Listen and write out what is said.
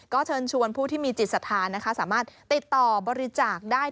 ก็เชิญชวนผู้ที่มีจิตศรัทธานะคะสามารถติดต่อบริจาคได้